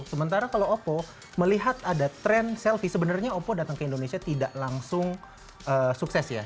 sementara kalau oppo melihat ada tren selfie sebenarnya oppo datang ke indonesia tidak langsung sukses ya